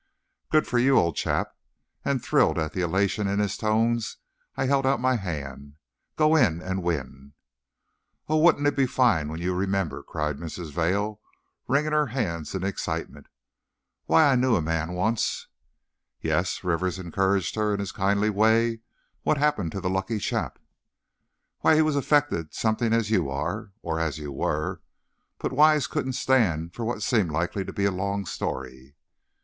"Good for you, old chap," and thrilled at the elation in his tones, I held out my hand. "Go in and win!" "Oh, won't it be fine when you remember?" cried Mrs. Vail, wringing her hands in excitement; "why, I knew a man once " "Yes," Rivers encouraged her, in his kindly way, "what happened to the lucky chap?" "Why, he was affected something as you are, or, as you were " but Wise couldn't stand for what seemed likely to be a long story.